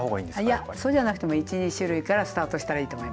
いやそうじゃなくても１２種類からスタートしたらいいと思います。